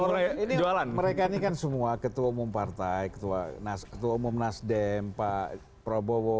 mulai jualan mereka ini kan semua ketua umum partai ketua nas ketua umum nasdem pak prabowo